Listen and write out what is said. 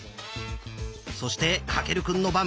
そして翔くんの番。